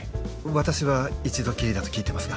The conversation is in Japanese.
私は一度きりだと聞いてますが。